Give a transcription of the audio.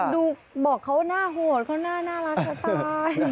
ดูบอกเขาน่าโหดเขาน่าน่ารักก็ตาย